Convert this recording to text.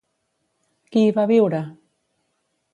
Qui hi va viure?